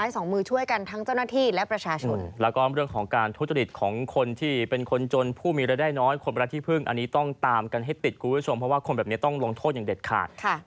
ทำมาเรียนหน่อยสิฮะ